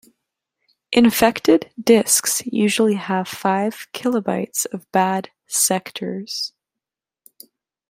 Infected disks usually have five kilobytes of bad sectors.